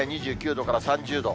２９度から３０度。